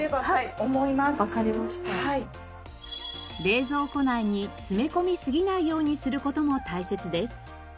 冷蔵庫内に詰め込みすぎないようにする事も大切です。